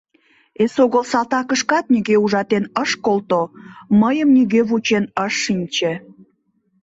Эсогыл салтакышкат нигӧ ужатен ыш колто, мыйым нигӧ вучен ыш шинче».